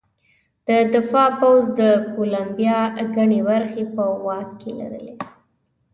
د دفاع پوځ د کولمبیا ګڼې برخې په واک کې لرلې.